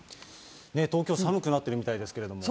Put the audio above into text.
東京、寒くなってるみたいですけれども。